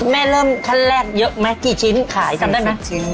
เริ่มขั้นแรกเยอะไหมกี่ชิ้นขายจำได้ไหมชิ้น